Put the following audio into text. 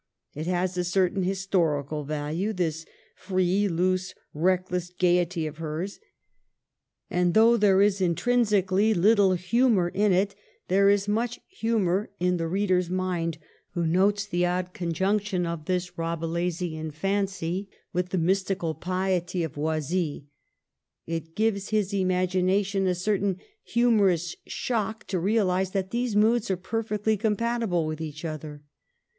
It has a certain historical value, this free, loose, reckless gayety of hers. And though there is, intrinsically, little humor in it, there is much humor in the reader's 16 242 MARGARET OF ANGOUL^ME. mind who notes the odd conjunction of this Rabe laisian fancy with the mystical piety of Oisille. It gives his imagination a certain humorous shock to realize that these moods are perfectly compatible with each other.